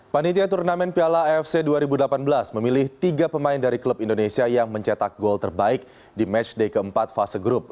panitia turnamen piala afc dua ribu delapan belas memilih tiga pemain dari klub indonesia yang mencetak gol terbaik di matchday keempat fase grup